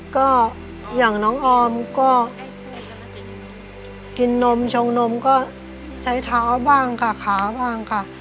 ก็อย่างน้องออมก็กินนมชงนมก็ใช้เท้าบ้างค่ะขาบ้างค่ะ